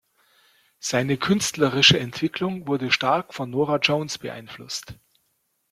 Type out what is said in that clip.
Seine künstlerische Entwicklung wurde stark von Norah Jones beeinflusst.